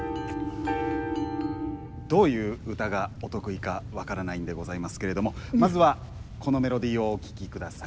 どういう歌がお得意か分からないんでございますけれどもまずはこのメロディーをお聴きください。